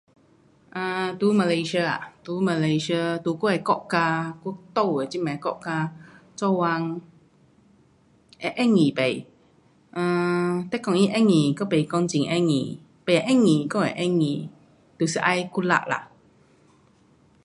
啊，在 Malaysia 啊，在 Malaysia 在我的国家，我住的这边国家做工会容易不？呃，你讲它容易又甭讲容易。不容易又会容易，就是要努力啦。